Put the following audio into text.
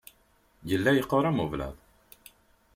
Yella yeqqur am ublaḍ.